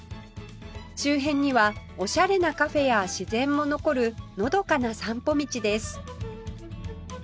周辺にはオシャレなカフェや自然も残るのどかな散歩道です